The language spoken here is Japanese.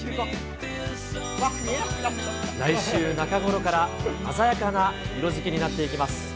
来週中頃から鮮やかな色づきになっていきます。